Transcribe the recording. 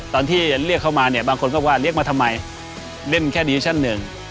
ตอนที่เรียกเขามาเนี่ยบางคนก็ว่าเรียกมาทำไมเล่นแค่ดิวิชั่นหนึ่ง